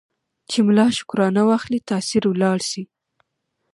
چي ملا شکرانه واخلي تأثیر ولاړ سي